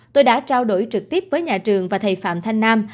tôi đã trao đổi trực tiếp với nhà trường và thầy phạm thanh nam